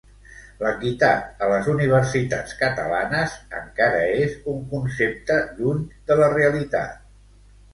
L'equitat a les universitats catalanes encara és un concepte lluny de la realitat.